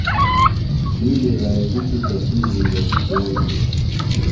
بِیڈیۡ غرِبیۡ کیۡ تسی زندگی تیر بھی دےۡ۔